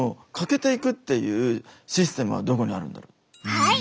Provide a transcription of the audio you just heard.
はい。